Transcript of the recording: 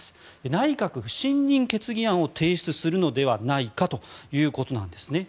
内閣不信任決議案を提出するのではないかということです。